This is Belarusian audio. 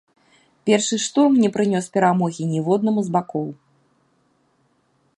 Першы штурм не прынёс перамогі ніводнаму з бакоў.